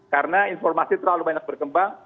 karena informasi terlalu banyak berkembang